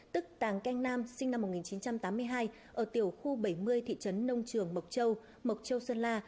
tức tàng canh nam sinh năm một nghìn chín trăm tám mươi hai ở tiểu khu bảy mươi thị trấn nông trường mộc châu mộc châu sơn la